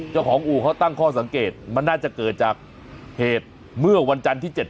อู่เขาตั้งข้อสังเกตมันน่าจะเกิดจากเหตุเมื่อวันจันทร์ที่๗